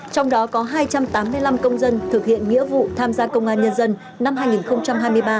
trong đó có hai trăm tám mươi năm công dân thực hiện nghĩa vụ tham gia công an nhân dân năm hai nghìn hai mươi ba